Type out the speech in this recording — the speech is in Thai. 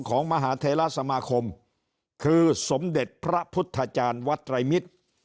มหาเทราสมาคมคือสมเด็จพระพุทธจารย์วัดไตรมิตร